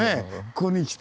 ここに来て。